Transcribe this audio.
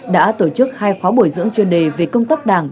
đã tổ chức hai khóa bồi dưỡng chuyên đề về công tác đảng